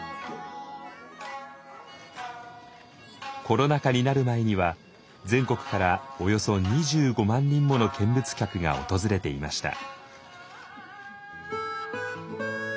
コロナ禍になる前には全国からおよそ２５万人もの見物客が訪れていました。